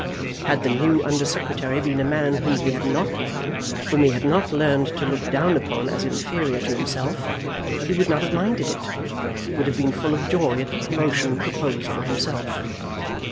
Had the new Under Secretary been a man whom he had not known, whom he had not learned to look down upon as inferior to himself, he would not have minded it, would have been full of joy at the promotion proposed for himself.